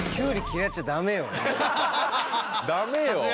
ダメよ。